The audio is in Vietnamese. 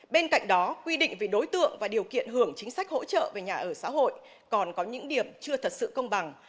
bên cạnh đó quy định về đối tượng và điều kiện hưởng chính sách hỗ trợ về nhà ở xã hội còn có những điểm chưa thật sự công bằng